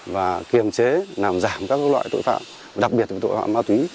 và kiềm chế làm giảm các loại tội phạm đặc biệt là tội phạm ma túy